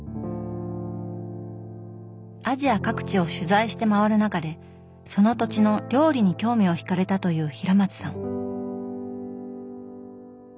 アジア各地を取材して回る中でその土地の料理に興味をひかれたという平松さん。